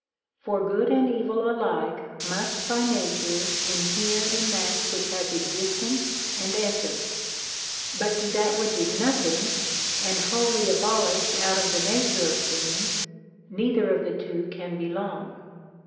For good and evil alike must by nature inhere in that which has existence and essence ; but to that which is nothing, and wholly abolished out of the nature of things, neither of the two can belong.